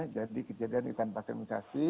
jadi kejadian ikutan vaksinasi